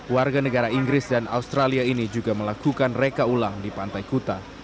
warganegara inggris dan australia ini juga melakukan rekaulang di pantai kuta